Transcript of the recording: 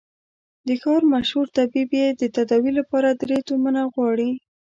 د ښار مشهور طبيب يې د تداوي له پاره درې تومنه غواړي.